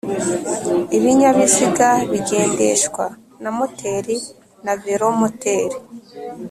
Ibinyabiziga bigendeshwa na moteri na velomoteri